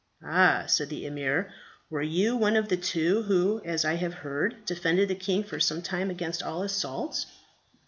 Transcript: "Ah!" said the emir, "were you one of the two who, as I have heard, defended the king for some time against all assaults?